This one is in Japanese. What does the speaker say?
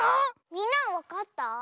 みんなはわかった？